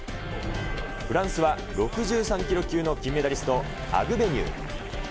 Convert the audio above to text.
フランスは６３キロ級の金メダリスト、アグベニュー。